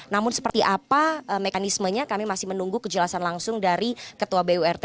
namun seperti apa mekanismenya kami masih menunggu kejelasan langsung dari ketua burt